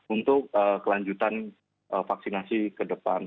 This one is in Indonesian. untuk kelanjutan vaksinasi ke depan